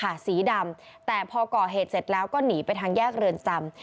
สีดำแต่พอก่อเหตุเสร็จแล้วก็หนีไปทางแยกเรือนจำ